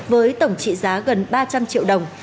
với tổng trị giá gần ba trăm linh triệu đồng